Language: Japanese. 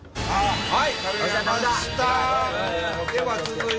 はい！